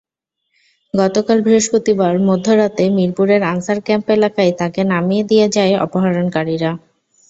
গতকাল বৃহস্পতিবার মধ্যরাতে মিরপুরের আনসার ক্যাম্প এলাকায় তাঁকে নামিয়ে দিয়ে যায় অপহরণকারীরা।